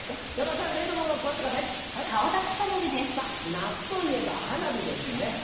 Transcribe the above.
夏といえば花火ですよね。